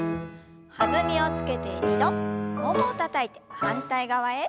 弾みをつけて２度ももをたたいて反対側へ。